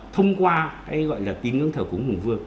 thông qua cái gọi là tín ngưỡng thờ cúng hùng vương